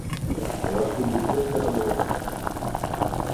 Les condicions eres dolentes.